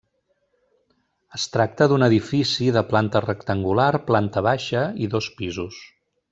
Es tracta d'un edifici de planta rectangular, planta baixa i dos pisos.